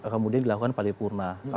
kemudian dilakukan paripurna